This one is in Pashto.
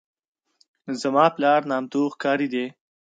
زما پلار نامتو ښکاري دی.